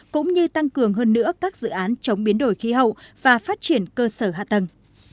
cũng như tăng cường hơn nữa các dự án chống biến đổi khí hậu và phát triển cơ sở hạ tầng